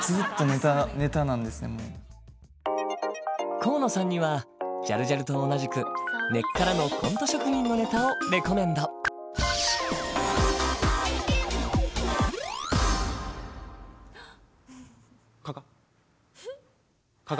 河野さんにはジャルジャルと同じく根っからのコント職人のネタをレコメンド加賀加賀。